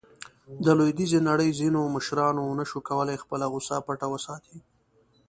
د لویدیځې نړۍ ځینو مشرانو ونه شو کولاې خپله غوصه پټه وساتي.